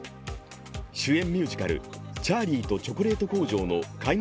主演ミュージカル「チャーリーとチョコレート工場」の開幕